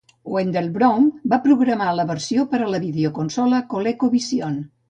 Wendell Brown va programar la versió per a la videoconsola ColecoVision.